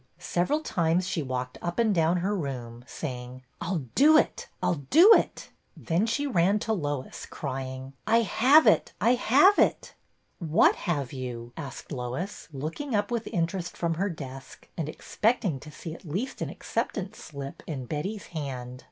Several times she walked up and down her room, say ing, "I 'll do it ! I 'll do it !" Then she ran to Lois, crying: ''I have it! I have it!" What have you? " asked Lois, looking up with interest from her desk, and expecting to see at least an acceptance slip in Betty's hand.